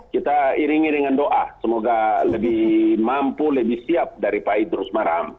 kita iring iringan doa semoga lebih mampu lebih siap dari pak idrus marham